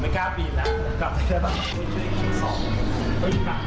เอาพี่กัลโชว์ดูเลยอันไหนครับ